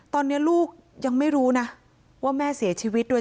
ตอนนี้ลูกยังไม่รู้นะว่าแม่เสียชีวิตโดย